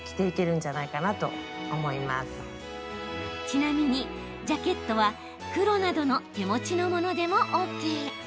ちなみにジャケットは黒などの手持ちのものでもＯＫ。